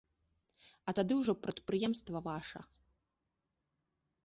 А тады ўжо прадпрыемства ваша.